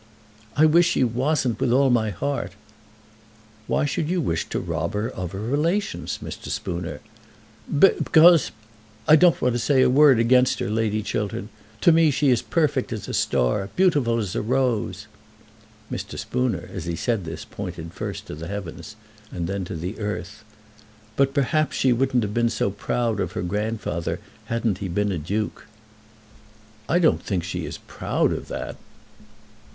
"I wish she wasn't, with all my heart." "Why should you want to rob her of her relations, Mr. Spooner?" "Because because . I don't want to say a word against her, Lady Chiltern. To me she is perfect as a star; beautiful as a rose." Mr. Spooner as he said this pointed first to the heavens and then to the earth. "But perhaps she wouldn't have been so proud of her grandfather hadn't he been a Duke." "I don't think she is proud of that."